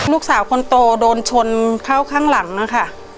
ลูกสาวคนโตโดนชนเข้าข้างหลังนะคะ